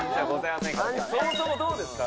そもそもどうですか？